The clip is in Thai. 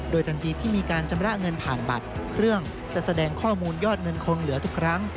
ทันทีที่มีการชำระเงินผ่านบัตรเครื่องจะแสดงข้อมูลยอดเงินคงเหลือทุกครั้ง